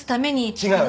違う！